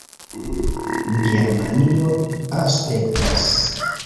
Germanio aspektas